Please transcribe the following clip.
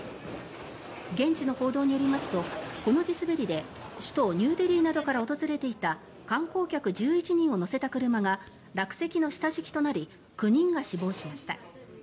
現地の報道によりますとこの地滑りで首都ニューデリーなどから訪れていた観光客１１人を乗せた車が落石の下敷きとなり９人が死亡しました。